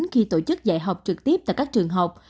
khi tổ chức dạy học trực tiếp tại các trường học